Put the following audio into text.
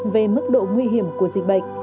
về mức độ nguy hiểm của dịch bệnh